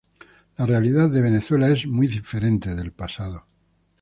La realidad de Venezuela es muy diferente del pasado.